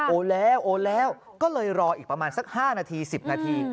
โอนแล้วโอนแล้วก็เลยรออีกประมาณสัก๕นาที๑๐นาที